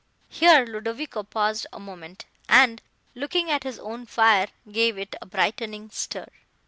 [Here Ludovico paused a moment, and, looking at his own fire, gave it a brightening stir.